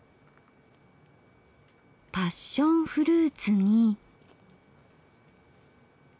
パッションフルーツに。